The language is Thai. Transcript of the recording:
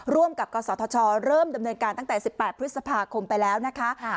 ร่วมกับกศธชเริ่มดำเนินการตั้งแต่๑๘พฤษภาคมไปแล้วนะคะ